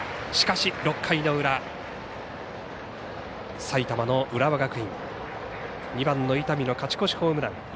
しかし６回の裏埼玉の浦和学院２番の伊丹の勝ち越しホームラン。